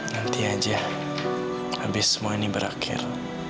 nanti aja habis semua ini berakhir